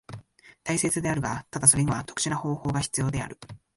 大切であるが、ただそれには特殊な方法が必要である。